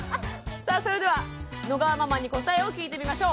さあそれでは野川ママに答えを聞いてみましょう。